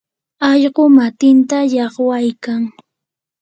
allqu matinta llaqwaykan.